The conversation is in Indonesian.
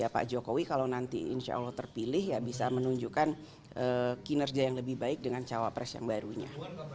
pak jokowi kalau nanti insya allah terpilih ya bisa menunjukkan kinerja yang lebih baik dengan cawapres yang barunya